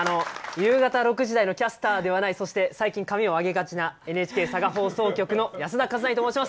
夕方６時台のキャスターではないそして、最近髪を上げがちなＮＨＫ佐賀放送局の保田一成と申します。